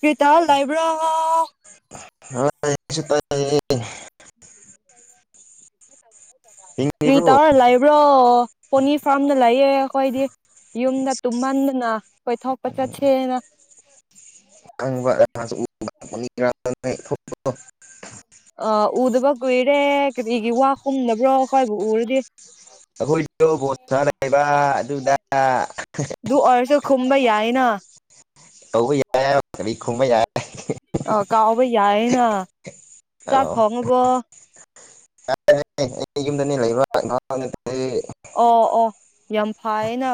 ꯀꯔꯇꯣ ꯂꯥꯏꯕ꯭ꯔꯥ [unintelligible] ꯀꯔꯤ ꯍꯤꯡꯉꯤꯕ꯭ꯔꯣ ꯇꯔ ꯂꯥꯏꯕ꯭ꯔ ꯄꯅꯤꯔ ꯐꯥꯝꯗ ꯂꯩꯌꯦ ꯑꯩꯈꯣꯏꯗꯤ ꯌꯨꯝꯗ ꯇꯨꯝꯍꯟꯗꯅ ꯀꯣꯏꯊꯣꯛꯄ ꯆꯠꯁꯦꯅ [unintelligible] ꯑ ꯎꯗꯕꯀꯨꯏꯔꯦ ꯀꯔꯤꯒꯤ ꯋꯥ ꯈꯨꯝꯅꯕ꯭ꯔꯣ ꯈꯣꯏꯕꯨ ꯎꯔꯗꯤ [unintelligible] ꯑꯗꯨꯗ ꯑꯗꯨ ꯑꯣꯏꯔꯁꯨ ꯈꯨꯝꯕ ꯌꯥꯏꯅ ꯇꯧꯕ ꯌꯥꯏ ꯈꯨꯝꯕ ꯌꯥꯏ ꯑ ꯀꯥꯎꯕ ꯌꯥꯏꯌꯦꯅ ꯆꯥꯛ ꯊꯣꯡꯉꯕꯣ ꯌꯥ ꯑꯩ ꯌꯨꯝꯗꯅꯤ ꯂꯩꯕ ꯉ [unintelligible] ꯑꯣ ꯑꯣ ꯌꯥꯝ ꯈꯏꯌꯦꯅ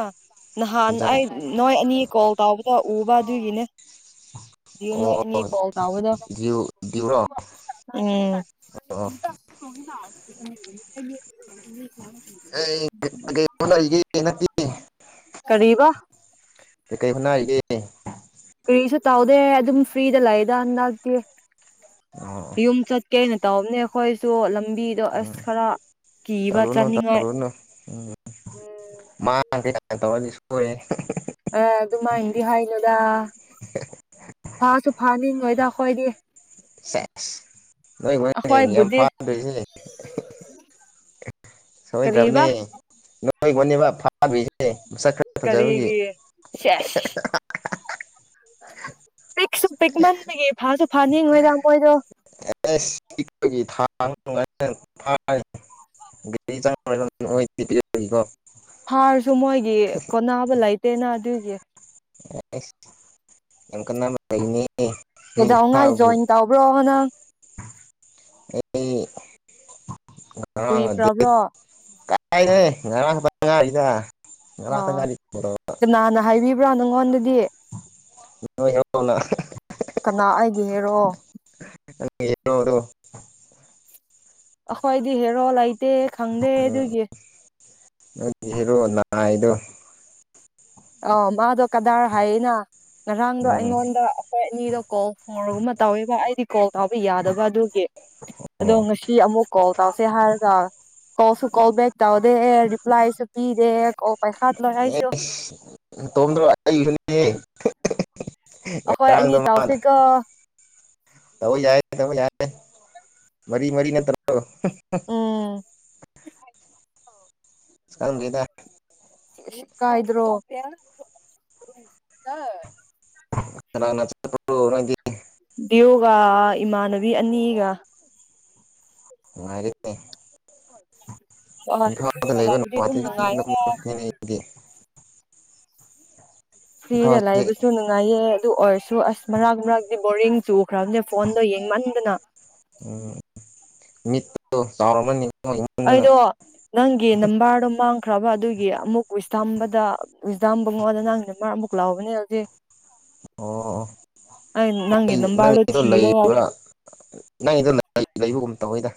ꯅꯍꯥꯟ ꯏꯟꯖꯥꯡ ꯑꯩ ꯅꯣꯏ ꯑꯅꯤ ꯀꯣꯜ ꯇꯥꯎꯕꯗꯣ ꯎꯕ ꯑꯗꯨꯒꯤꯅꯦ ꯑꯣ ꯅꯤ ꯀꯣꯜ ꯇꯣꯗꯣ ꯗ꯭ꯌꯨ ꯗ꯭ꯌꯨꯔꯣ ꯎꯝ ꯑꯣ [unintelligible] [unintelligible] [unintelligible] ꯀꯔꯤꯕꯥ ꯀ ꯀꯩ ꯍꯣꯠꯅꯥꯔꯤꯒꯦ ꯀꯔꯤꯁꯨ ꯇꯥꯎꯗꯦ ꯑꯗꯨꯝ ꯐ꯭ꯔꯤꯗ ꯂꯥꯏꯗ ꯍꯟꯗꯛꯇꯤ ꯑꯣ ꯌꯨꯝ ꯆꯠ ꯀꯦꯅ ꯇꯧꯕꯅꯦ ꯑꯩꯈꯣꯏꯁꯨ ꯂꯝꯕꯤꯗꯣ ꯑꯁ ꯎꯝ ꯈꯔ ꯀꯤꯕ ꯇꯧꯔꯨꯅꯨ ꯆꯥꯅꯤꯡꯉꯥꯏ ꯇꯧꯔꯨꯅꯨ ꯎꯝ ꯇꯋꯥ ꯁꯣꯌꯔꯦ ꯑ ꯑꯗꯨꯃꯏꯟꯗꯤ ꯍꯥꯏꯅꯨꯗ ꯐꯥꯁꯨ ꯐꯥ ꯅꯤꯡꯉꯣꯏꯗ ꯈꯣꯏꯗꯤ ꯁꯦꯁ ꯅꯣꯏ ꯍꯣꯏꯅꯦ ꯌꯥꯝ ꯑꯩꯈꯣꯏꯕꯨꯗꯤ ꯐꯥꯗꯣꯏꯁ ꯀꯔꯤꯕ ꯁꯣꯏꯗꯕꯅꯦꯣꯏ ꯅꯣꯏꯕꯨꯅꯦꯕꯥ ꯥꯕꯤꯁꯦ ꯃꯁꯛ ꯈꯔ ꯐꯖꯕꯒꯤ ꯀꯔꯤꯒꯤ ꯄꯤꯛꯁꯨ ꯄꯤꯛꯃꯟꯕꯒꯤ ꯐꯁꯨ ꯐꯅꯤ ꯉꯣꯏꯗ ꯃꯣꯏꯗꯣ [unintelligible] ꯍꯥꯔꯁꯨ ꯃꯣꯏꯒꯤ ꯀꯣꯟꯅꯕ ꯂꯩꯇꯦꯅ ꯑꯗꯨꯏ ꯌꯦ ꯌꯥꯝ ꯀꯟꯅ [unintelligible] ꯀꯩꯗꯧꯉꯥꯏ ꯖꯣꯏꯟ ꯇꯧꯕ꯭ꯔꯣ ꯅꯪ [unintelligible] ꯀꯨꯏꯈ꯭ꯔꯕ꯭ꯔꯣ ꯀꯥꯏꯅꯦ ꯉꯔꯥꯡ ꯈꯄ ꯉꯥꯔꯤꯗ ꯑ ꯀꯅꯥꯍꯥꯟꯅ ꯍꯥꯏꯕꯤꯕ꯭ꯔꯥ ꯅꯪꯉꯣꯟꯗꯗꯤ ꯗꯤ ꯅꯣꯏ ꯍꯦꯔꯣ ꯅ ꯦꯔꯣ [unintelligible] ꯑꯈꯣꯏꯗꯤ ꯍꯦ [inaudible] ꯠꯇꯦ ꯈꯪꯗꯦ ꯎꯝ ꯑꯗꯨꯒꯤ ꯅꯣꯏꯒꯤ ꯍꯦꯔꯣ ꯅꯥꯏ ꯗꯣ ꯑꯥ ꯃꯥꯗꯣ ꯀꯗꯥꯔ ꯍꯥꯏꯌꯦꯅ ꯉꯔꯥꯡꯗꯣ ꯎꯝ ꯑꯩꯉꯣꯟꯗ ꯑꯩꯈꯣꯏ ꯑꯅꯤꯗꯣ ꯀꯣ ꯍꯣꯡꯔꯒꯨꯝꯕ ꯇꯧꯋꯦꯕ ꯑꯩꯗꯤ ꯇꯥꯎꯕ ꯌꯥꯗꯕ ꯑꯗꯨꯒꯤ ꯑꯗꯣ ꯑꯣ ꯉꯁꯤ ꯑꯃꯨꯛ ꯀꯣꯜ ꯇꯧꯁꯦ ꯍꯥꯏꯔꯒ ꯀꯣꯜꯁꯨ ꯀꯣꯜꯕꯦꯛ ꯇꯧꯗꯦ ꯔꯤꯄ꯭ꯂꯥꯏꯁꯨ ꯄꯤꯗꯦ ꯄꯩ ꯈꯥꯗ ꯂꯣꯏꯥꯏꯁꯤ ꯇꯣꯡꯗ꯭ꯔꯣ ꯑꯩꯒꯤꯁꯨꯅꯦ ꯑꯩꯈꯣꯏ ꯑꯅꯤ ꯇꯧꯁꯤꯀꯣ ꯃ ꯌꯥ ꯌꯥ ꯃꯔꯤ ꯃꯔꯤ ꯅꯠꯇꯔꯣ [unintelligible] ꯎꯝ ꯁꯥꯔꯝꯒꯦꯗ ꯁꯤ ꯀꯥꯏꯣ ꯀꯅꯥ ꯀꯅꯥ ꯆꯠꯄ꯭ꯔꯣ ꯅꯪꯗꯤ ꯗꯤꯌꯨ ꯒ ꯏꯃꯥꯟꯅꯕꯤ ꯑꯅꯤꯒ ꯉꯅꯨꯡꯉꯥꯏꯔꯦ ꯑꯒ ꯂꯗꯤ ꯑꯗꯨꯝ ꯅꯨꯡꯉꯥꯏꯇꯒꯤ ꯌꯨꯝꯗ ꯃꯉꯥꯏꯔ ꯀꯨꯝꯂꯛꯄꯅꯦ ꯑꯩꯗꯤ ꯁꯤꯗ ꯏꯝꯐꯥꯜꯁꯦ ꯂꯩꯕꯁꯨ ꯅꯨꯡꯉꯥꯏꯌꯦ ꯑꯗꯨ ꯑꯣꯏꯔꯁꯨ ꯑꯁ ꯃꯔꯛ ꯃꯔꯛꯇ ꯕꯣꯔꯤꯡ ꯆꯨꯈ꯭ꯔꯕꯅꯦ ꯐꯣꯟꯗꯣ ꯌꯦꯡꯃꯟꯗꯅ ꯎꯝ ꯃꯤ ꯆꯥꯎꯔ ꯑꯩꯗꯣ ꯅꯪꯒꯤ ꯅꯝꯕꯔꯗꯣ ꯃꯥꯡ ꯈ꯭ꯔꯕ ꯑꯗꯨꯒꯤ ꯑꯃꯨꯛ ꯎꯁꯊꯝꯕꯗ ꯎꯁꯊꯝꯕ ꯉꯣꯗ ꯅꯪꯅ ꯃꯔꯛ ꯑꯃꯨꯛ ꯂꯥꯎꯕꯅꯦ ꯍꯧꯖꯤꯛ ꯑꯣ ꯑꯣ ꯑꯩ ꯅꯪꯒꯤ ꯅ ꯅꯝꯕꯔꯗꯣ ꯅꯪꯒꯤꯗꯣ ꯊꯤꯔꯒ ꯂꯩꯕ꯭ꯔꯥ ꯅꯪꯒꯤꯗꯣ ꯂꯩꯕꯒꯨꯝ ꯇꯧꯋꯤꯗ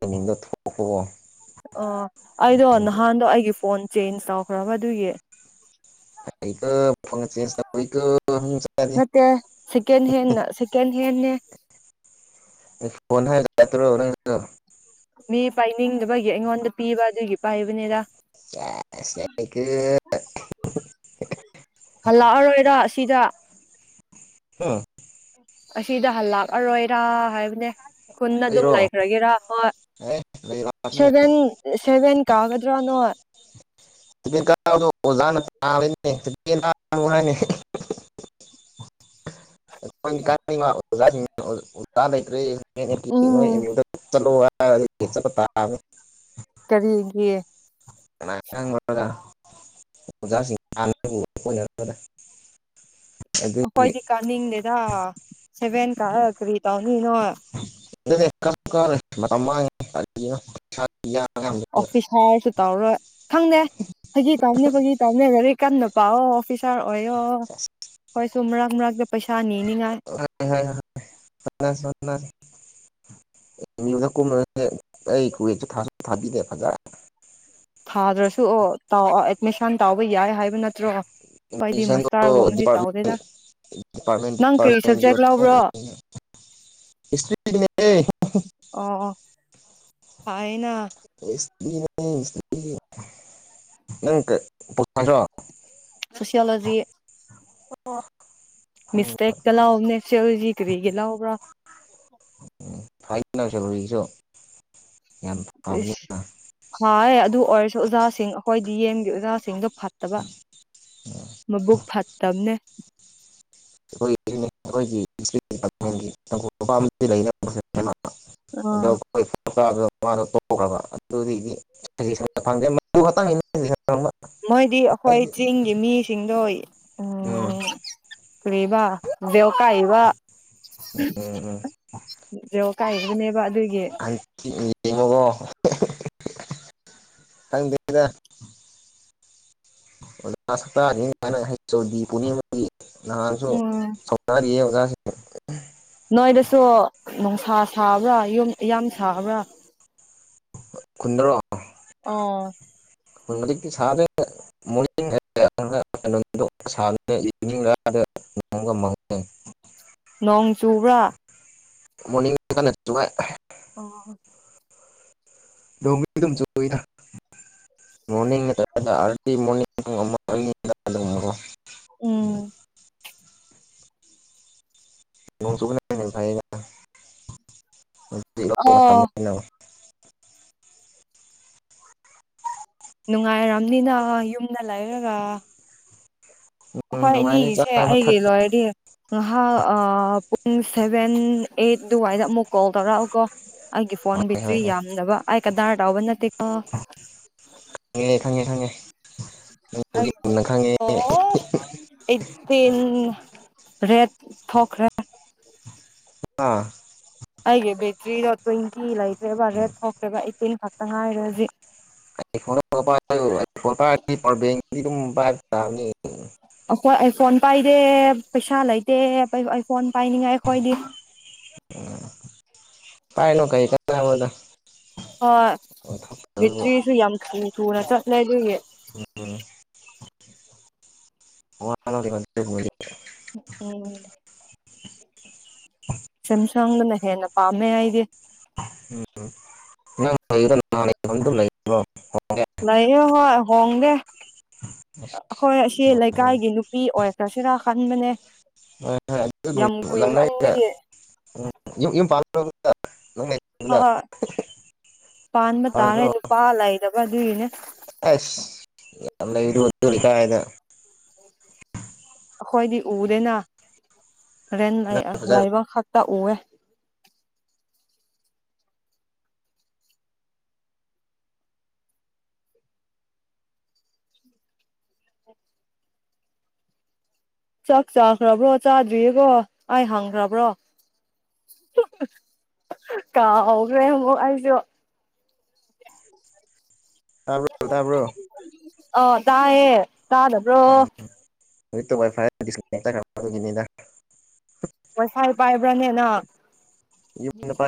ꯇ ꯃꯤꯗ ꯊꯣ ꯑꯣ ꯑꯩꯗꯣ ꯅꯍꯥꯟꯗꯣ ꯑꯩꯒꯤ ꯐꯣꯟ ꯆꯦꯟꯖ ꯆꯥꯎꯈ꯭ꯔꯕ ꯑꯗꯨꯒꯤ [inaudible] ꯅꯥꯠꯇꯦꯍꯦ ꯁꯦꯀꯦꯟ ꯍꯦꯟꯅꯥ ꯁꯦꯀꯦꯟꯍꯦꯟ ꯅꯦ ꯌꯥꯠꯇꯔꯣ [unintelligible] [inaudible] ꯃꯤ ꯄꯥꯏꯅꯤꯡꯗꯕꯒꯤ ꯑꯩꯉꯣꯟꯗ ꯄꯤꯕ ꯑꯗꯨꯒꯤ ꯄꯥꯏꯕꯅꯤꯗ ꯍꯜꯂꯛꯑꯔꯣꯏꯔ ꯑꯁꯤꯗ [unintelligible] ꯑꯥ [unintelligible] ꯑꯁꯤꯗ ꯍꯜ ꯂꯥꯛꯑꯔꯣꯏꯔ ꯍꯥꯏꯕꯅꯦ ꯈꯨꯟꯗ ꯑꯩꯔꯣ ꯑꯗꯨꯝ ꯂꯩꯈ꯭ꯔꯒꯦꯔ ꯍꯣꯏ ꯑꯦ ꯂꯩꯔꯥꯛꯅꯤ ꯁꯚꯦꯟ ꯁꯦꯚꯦꯟ ꯀꯥꯒꯗ꯭ꯔꯥ ꯅꯣꯏ ꯑꯣꯖꯅ ꯑꯣꯖꯥ ꯂꯩꯇ꯭ꯔꯦ [unintelligible] [unintelligible] ꯆꯂ ꯎꯝ ꯇꯥꯕꯦ [unintelligible] [inaudible] ꯀꯔꯤꯒꯤ ꯀꯩꯅ ꯥ [unintelligible] ꯑꯩꯈꯣꯏꯗꯤ ꯀꯥꯅꯤꯡꯗꯦꯗ ꯁꯦꯚꯦꯟ ꯀꯥꯏꯔ ꯀꯔꯤ ꯇꯧꯅꯤꯅꯣ [unintelligible] [inaudible] ꯌꯥꯝꯕꯗꯨꯗ ꯑꯣꯐꯤꯁ ꯍꯥꯏꯔꯁꯨ ꯇꯔꯣ ꯈꯪ ꯗꯦ ꯑꯩꯒꯤ ꯇꯥꯎꯅꯕꯒꯤ ꯇꯥꯎꯅꯦꯔꯦ ꯀꯟꯅ ꯄꯥꯎꯑꯣ ꯑꯣꯐꯤꯁ ꯁꯥꯔ ꯑꯣꯏꯌꯣ ꯑꯩꯈꯣꯏꯁꯨ ꯃꯔꯛ ꯃꯔꯛꯇ ꯄꯩꯁꯥ ꯅꯤꯅꯤꯉꯥꯏ ꯍꯣꯠꯅꯁꯤ ꯍꯣꯠꯅꯁꯤ ꯌꯨꯗ ꯀꯨꯝꯃꯦ ꯑꯩ ꯀꯨꯏꯁꯨ ꯊꯁꯨ ꯊꯥꯕꯤꯗꯦ ꯐꯖ ꯊꯥꯗ꯭ꯔꯁꯨ ꯑꯣ ꯇꯥꯎꯑꯣ ꯑꯦꯗꯃꯤꯁꯟ ꯇꯥꯎꯕ ꯌꯥꯏ ꯍꯥꯏꯕ ꯅꯠꯇ꯭ꯔꯣ ꯑꯩꯈꯣꯏꯗꯤ ꯃꯥꯁꯇꯔꯒꯨꯝꯕꯗꯤ ꯇꯧꯗꯦꯗ ꯅꯪ ꯀꯔꯤ ꯁꯕꯖꯦꯛ ꯂꯧꯕ꯭ꯔꯣ ꯑꯣ ꯁꯗꯤꯄꯥꯗꯤꯄꯥꯔꯃꯦꯟꯄꯥꯦꯟꯇ ꯑꯣ ꯐꯩꯅ [unintelligible] ꯅꯪ ꯄꯈꯗ꯭ꯔꯣ ꯁꯣꯁꯤꯌꯣꯂꯣꯖꯤ ꯑꯣ ꯃꯁꯦꯛ ꯀꯂ ꯑꯣꯃꯅꯁꯖꯤ ꯀꯔꯤꯒꯤ ꯂꯧꯕ꯭ꯔꯥ ꯎ ꯐꯥꯏꯁꯁꯨꯣ [unintelligible] [inaudible] ꯍꯥꯌꯦ ꯑꯗꯨ ꯑꯣꯏꯔꯁꯨ ꯑꯣꯖꯥꯁꯤꯡ ꯑꯩꯈꯣꯏꯗꯤ ꯌꯦꯦꯝꯒꯤ ꯑꯣꯖꯥꯁꯤꯡꯗꯣ ꯐꯠꯇꯕ ꯃꯕꯨꯛ ꯐꯠꯇ ꯇꯕꯅꯦ [unintelligible] ꯑꯥ ꯑꯗꯣ ꯑꯈꯣ ꯐꯥꯕꯗꯣ ꯃꯥꯗꯣ ꯇꯣꯛꯈ꯭ꯔꯕ ꯑꯗꯨꯒꯤꯗꯤ ꯁꯖꯦꯁ ꯐꯪꯖꯦ ꯃꯗꯨ ꯈꯛꯇꯪ ꯃꯣꯏꯗꯤ ꯑꯩꯈꯣꯏ ꯆꯤꯡꯒꯤ ꯃꯤꯁꯤꯡꯗꯣ ꯎ ꯎꯝ ꯀꯔꯤꯕ ꯗꯦꯕ [unintelligible] ꯎꯝ ꯎꯝ [unintelligible] ꯀꯥꯏꯗꯩꯩꯅꯦꯕ ꯑꯗꯨꯏ ꯍꯥꯏ ꯌꯦꯡꯉꯣꯀꯣ ꯈꯪꯗꯦꯗꯇꯥꯅꯤꯅ ꯍꯩ ꯄꯨꯃ ꯅꯁꯨꯣ ꯎꯝ ꯊꯔ ꯑꯣꯖ [unintelligible] ꯅꯣꯏꯗꯁꯨ ꯅꯨꯡꯁꯥ ꯁꯥꯕ꯭ꯔꯥ ꯌꯨꯝ ꯌꯥꯝ ꯁꯥꯕ꯭ꯔꯥ ꯀꯨꯟꯗ꯭ꯔ ꯑꯣ ꯍꯧꯖꯤꯛꯇꯦ ꯅꯣꯡ ꯆꯨꯕ꯭ꯔꯥ ꯃꯣꯔꯅꯤꯡꯀ ꯑꯥ ꯣꯡꯅꯤꯡ ꯑꯂꯤꯅꯤꯡ ꯎꯝ ꯎꯝ ꯣꯡꯁꯨꯅꯅꯦ ꯐꯥꯏꯅ ꯑꯣ [unintelligible] ꯅꯨꯡꯉꯥꯏꯔꯝꯅꯤꯅ ꯌꯨꯝꯗ ꯂꯩꯔꯒ ꯎꯝ ꯍꯣꯏ ꯅꯨꯡꯉꯥꯏꯔꯦ ꯏꯅꯤꯁꯦ ꯆꯥꯕ ꯑꯩꯒꯤ ꯊꯛꯄ ꯂꯣꯏꯔꯗꯤ ꯉꯥꯍꯥꯛ ꯄꯨꯡ ꯁꯚꯦꯟ ꯑꯩꯠ ꯑꯗꯨꯋꯥꯏꯗ ꯑꯃꯨꯛ ꯀꯣꯜ ꯇꯧꯔꯛꯑꯣꯀꯣ ꯑꯩꯒꯤ ꯐꯣꯟ ꯍꯣꯏ ꯕꯤꯛꯇ꯭ꯔꯤ ꯍꯣꯏ ꯍꯣꯏ ꯌꯥꯝꯗꯕ ꯑꯩ ꯀꯗꯥꯏ ꯇꯥꯎꯕ ꯅꯠꯇꯦ ꯈꯪꯉꯦ ꯈꯪꯉꯦ ꯈꯪꯉꯦ ꯅꯪꯕꯨꯗꯤ ꯃꯨꯟꯅ ꯈꯪꯉꯦ ꯏ ꯔꯦꯠ ꯊꯈ꯭ꯔ ꯑꯥ ꯑꯩꯒꯤ ꯕꯦꯠꯇ꯭ꯔꯤꯗꯣ ꯇ꯭ꯋꯦꯟꯇꯤ ꯂꯩ ꯔꯦ ꯊꯣꯛꯦꯕ ꯇꯤꯟ ꯐꯠꯇ ꯉꯥꯏꯔꯦ ꯍꯖꯤꯛ ꯣꯟ ꯑꯩꯈꯣꯏ ꯑꯩꯥꯏ ꯐꯣꯟ ꯄꯥꯏꯗꯦ ꯄꯩꯁꯥ ꯂꯩꯇꯦ ꯑꯩꯥꯏꯐꯣꯟ ꯄꯥꯏꯅꯤꯡꯉꯥꯏ ꯀꯣꯏꯗꯤ ꯄꯥꯏꯅꯀ ꯏ ꯀ ꯃꯗ ꯍꯣꯏ ꯠꯇ꯭ꯔꯤꯁꯨ ꯌꯥꯝ ꯊꯨꯅ ꯆꯠꯂꯗꯣꯏꯒꯤ ꯋꯥ ꯎꯝ ꯁꯝꯁꯅ ꯍꯦꯟꯅ ꯐꯥꯝꯃꯦꯦ ꯍꯥꯏꯦ ꯎꯝꯅꯦ ꯂꯩ ꯂꯩꯌꯦ ꯍꯣꯏ ꯍꯣꯡꯗꯦ ꯍꯣꯏ ꯑꯁꯤ ꯂꯩꯀꯥꯏꯒꯤ ꯅꯨꯄꯤ ꯑꯣꯏ ꯀ꯭ꯔꯁꯤꯔꯥ ꯐꯥꯟ ꯃꯅꯦ ꯂꯪ ꯌ ꯌ ꯄ ꯍꯣꯏ ꯄꯥꯟꯕ ꯇꯥꯔꯦ ꯄꯥꯟꯈ꯭ꯔꯣ ꯅꯨꯄꯥ ꯂꯩꯗꯕ ꯑꯗꯨꯒꯤꯅꯦ ꯑꯩꯁ ꯌꯥꯝ ꯀ ꯍꯥꯏꯗ ꯑꯩꯈꯣꯏꯗꯤ ꯎꯗꯦꯅ ꯔꯦꯟ ꯅꯪ ꯐꯖꯅ ꯂꯥꯏꯕ ꯇ ꯑꯣ ꯆꯥꯛ ꯆꯥꯈ꯭ꯔꯕ꯭ꯔꯣ ꯆꯥꯗ꯭ꯔꯤꯌꯦꯀꯣ ꯑꯩ ꯍꯪꯈ꯭ꯔꯕ꯭ꯔꯣ ꯀꯥꯍꯈ꯭ꯔꯦ ꯑꯃꯨꯛ ꯑꯩꯁꯨ ꯇꯥꯕ꯭ꯔꯣ ꯇꯥꯕ꯭ꯔꯣ ꯑ ꯇꯥꯏ ꯍꯦ ꯇꯥꯅꯕ꯭ꯔꯣ ꯅꯤꯗ ꯄꯁꯥꯏ ꯄꯥꯏꯕ꯭ꯔꯥꯅꯦꯅ ꯌꯅ ꯄ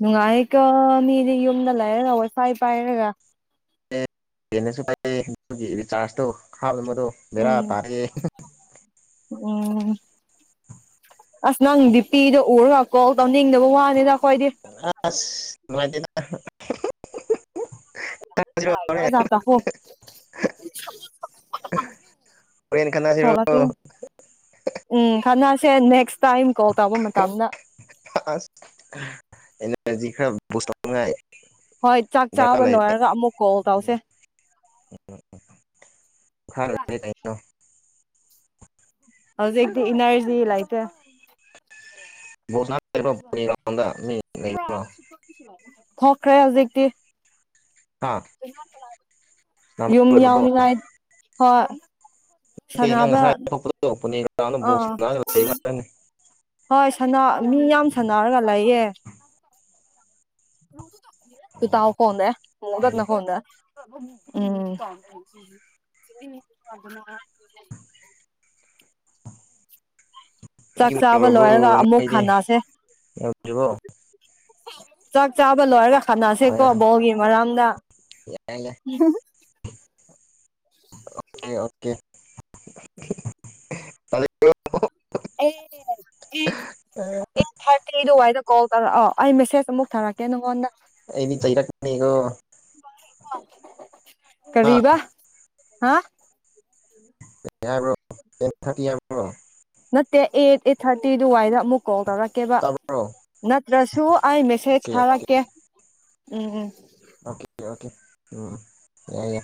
ꯅꯨꯡꯉꯥꯏꯀ ꯃꯤꯗꯤ ꯌꯨꯝꯗ ꯂꯩꯔꯒꯋ ꯁꯥꯏ ꯄꯥꯏꯔꯒ ꯍꯦꯟꯅꯁꯨ ꯄꯥꯏ ꯑꯗꯨꯒꯤ ꯔꯤꯆꯥꯔꯖꯇꯣ ꯍꯥ ꯃꯇꯨꯡ ꯃꯦꯔ ꯎꯝ ꯇꯥꯒꯤ ꯎꯝ ꯑꯁ ꯅꯪꯗꯤ ꯄꯤꯗꯣ ꯎꯔꯀꯣ ꯇꯧꯅꯤꯡꯗꯕ ꯋꯥꯅꯤꯗꯥꯛ ꯑ ꯃꯥꯒꯤꯗ ꯍꯣ ꯍꯣꯔꯦꯟ ꯈꯟꯅꯁꯤꯔꯣ ꯍꯂ ꯎꯝ ꯀꯁ ꯅꯦꯛꯁ ꯇꯝ ꯀꯣ ꯇꯥꯎꯕ ꯃꯇꯝꯗ ꯑ ꯏꯖꯤ ꯈꯔ ꯁꯉꯥꯏ ꯍꯣꯏ ꯆꯥꯛ ꯆꯥꯕ ꯂꯣꯏꯔꯒ ꯑꯃꯨꯛ ꯀꯣꯜ ꯇꯧꯁꯦ ꯎꯝ ꯎ ꯐꯔ ꯇꯅꯣ ꯍꯧꯖꯤꯗꯤ ꯏꯅꯔꯖꯤ ꯏꯂ ꯑꯥꯏꯇ ꯣꯅ ꯄ ꯊꯣꯛꯈ꯭ꯔꯦ ꯍꯧꯖꯤꯛꯇꯤ꯫ ꯍꯥ [unintelligible] [inaudible] ꯁꯥꯟꯅꯕ ꯌꯨꯝ ꯂꯣꯏꯔꯕꯣ ꯌꯥꯎꯅꯤꯡꯥꯏ ꯍꯣꯏ ꯅꯠꯇꯦ ꯅꯪ ꯁꯥꯟꯅꯕ ꯉꯁꯥꯏ ꯑꯇꫭꯞꯄꯗ ꯇꯧꯔꯛꯄꯅꯦ꯫ ꯇꯅ ꯑꯥ ꯕꯨꯁꯅ ꯂꯅꯤ ꯍꯣꯏ ꯃꯤ ꯌꯥꯝ ꯁꯅꯔꯒ ꯂꯩꯌꯦ ꯑꯣ ꯔ [unintelligible] ꯎꯝ ꯆꯥꯛ ꯆꯥꯕ ꯂꯣꯏꯔꯒ ꯑꯃꯨꯛ ꯈꯟꯅꯁꯦ [unintelligible] ꯆꯥꯛ ꯆꯥꯕꯂ ꯍꯥꯏꯒ ꯍꯣꯏ ꯁꯥꯅꯁꯦꯀꯣ ꯕꯣꯜꯒꯤ ꯃꯔꯝ [unintelligible] ꯌꯥꯏ ꯂꯩ꯫ ꯑꯣꯦ ꯑꯣꯀꯦ ꯊꯥꯔꯇꯤ ꯑꯩꯏꯗ ꯀꯣꯜ ꯇꯧꯔ ꯑꯩ ꯐꯦꯁ ꯑꯃꯨꯛ ꯊꯥꯔꯛꯀꯦ ꯅꯪꯉꯣꯟꯗ꯫ ꯑꯩꯗꯤ ꯆꯩꯔꯛꯀꯅꯤꯀꯣ꯫ [inaudible] [unintelligible] ꯍꯥ ꯀꯔꯤꯕꯥ꯫ ꯍꯥ ꯀꯩ ꯍꯥꯏꯕ꯭ꯔꯣ ꯇꯦꯟ ꯊꯥꯔꯇꯤ ꯍꯥꯏꯕ꯭ꯔꯣ꯫ ꯅꯠꯇꯦ ꯑꯦꯠ ꯑꯦꯠ ꯊꯥꯔꯇꯤ ꯗꯨꯋꯥꯏꯗ ꯑꯃꯨꯛ ꯀꯣꯜ ꯇꯧꯔꯛꯀꯦꯕ ꯇꯥꯕ꯭ꯔꯣ ꯅꯠꯇ꯭ꯔꯁꯨ ꯑꯩ ꯃꯦꯁꯦꯁ ꯑꯣꯀꯦ ꯑꯣꯀꯦ ꯊꯥꯔꯛꯀꯦ꯫ ꯎꯝ ꯎꯝ ꯑꯣꯀꯦ ꯑꯣꯀꯦ ꯎꯝ ꯌꯥ ꯌꯥ